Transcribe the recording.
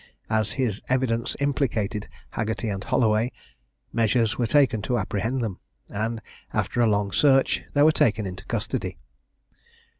As his evidence implicated Haggerty and Holloway, measures were taken to apprehend them, and, after a long search, they were taken into custody.